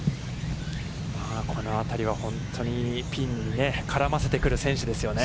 この辺りは、本当にピンに絡ませてくる選手ですよね。